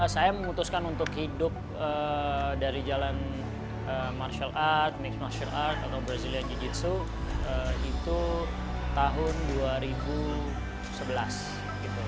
saya memutuskan untuk hidup dari jalan martial art mixed martial art atau brazilian jiu jitsu itu tahun dua ribu sebelas gitu